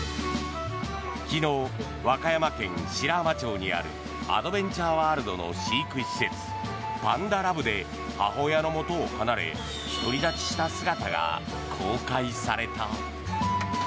昨日、和歌山県白浜町にあるアドベンチャーワールドの飼育施設、パンダラブで母親の元を離れ独り立ちした姿が公開された。